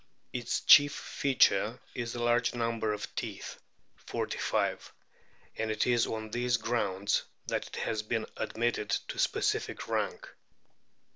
Its chief feature is the large number of teeth (45) ; and it is on these grounds that it has been admitted to specific rank.